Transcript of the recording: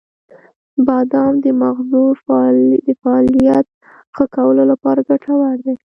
• بادام د مغزو د فعالیت ښه کولو لپاره ګټور دی.